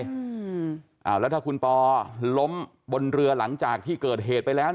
อ่าแล้วถ้าคุณปอล้มบนเรือหลังจากที่เกิดเหตุไปแล้ว